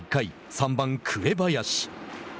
３番、紅林。